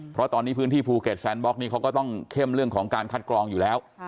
เพราะตอนนี้พื้นที่ภูเก็ตแซนบล็อกนี้เขาก็ต้องเข้มเรื่องของการคัดกรองอยู่แล้ว